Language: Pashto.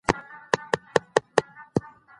کور زده کړه له ګډوډۍ پاکه ده.